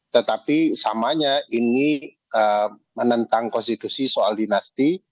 tetapi samanya ini menentang konstitusi soal dinasti